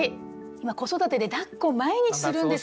今子育てでだっこを毎日するんですよ。